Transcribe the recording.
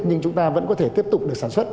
nhưng chúng ta vẫn có thể tiếp tục được sản xuất